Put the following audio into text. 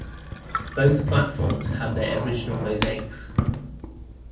Both platforms have their original mosaics.